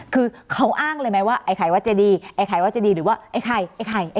คือเขาอ้างเลยไหมว่าไอ้ไข่วัดเจดีไอ้ไข่วัดเจดีหรือว่าไอ้ไข่ไอ้ไข่